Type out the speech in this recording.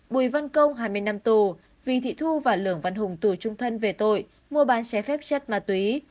bùi văn công hai mươi năm tù vì thị thu và lường văn hùng tù trung thân về tội mua bán trái phép chất ma túy